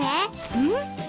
うん。